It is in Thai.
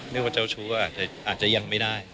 นึกว่าเจ้าชู้ก็อาจจะยังไม่ได้